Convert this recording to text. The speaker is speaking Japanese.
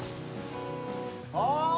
あ！